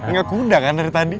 nggak kuda kan dari tadi